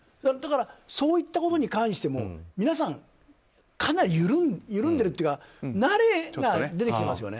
そういったことに関しても皆さんかなり緩んでいるというか慣れが出てきてますよね。